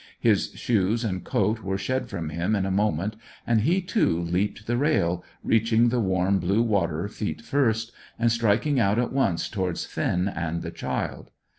His shoes and coat were shed from him in a moment, and he, too, leaped the rail, reaching the warm, blue water feet first, and striking out at once towards Finn and the child.